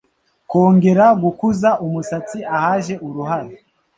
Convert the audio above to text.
kongera gukuza umusatsi ahaje uruhara